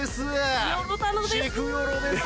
シクヨロです